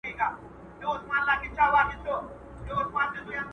رېدي د خپل پلار سوداګري پرېښوده او عسکر شو.